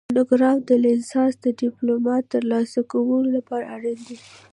مونوګراف د لیسانس د ډیپلوم د ترلاسه کولو لپاره اړین دی